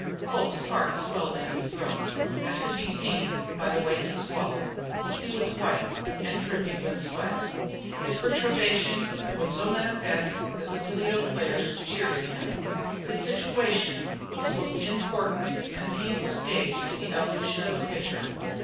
Poke's heart swelled in his throat, as could be seen by the way he swallowed. He was white and dripping with sweat. His perturbation was so manifest that the Toledo players jeered at him. His situation then was the most important and painful stage in the evolution of a pitcher.